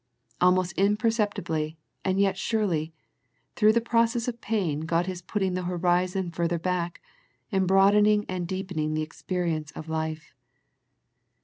Almost impercepti bly and yet surely, through the process of pain God is putting the horizon further back, and broadening and deepening the experience of life.